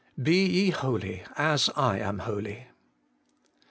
BE YE HOLY, AS I AM HOLY.